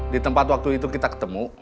di tempat waktu itu kita ketemu